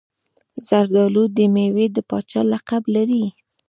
زردالو د میوې د پاچا لقب لري.